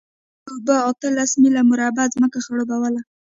دې اوبو اتلس میله مربع ځمکه خړوبوله.